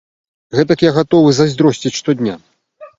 Гэтак я гатовы зайздросціць штодня.